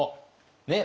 ねっ？